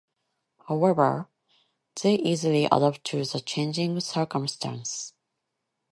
However, they easily adapt to the changing circumstances.